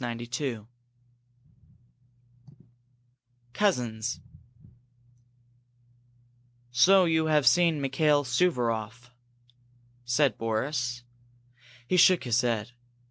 CHAPTER IV COUSINS "So you have seen Mikail Suvaroff!" said Boris. He shook his head.